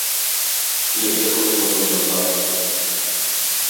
Iesaku vismaz uzmest aci.